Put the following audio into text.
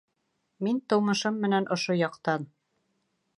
Мин тыумышым менән ошо яҡтан.